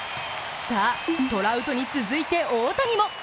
さあ、トラウトに続いて大谷も。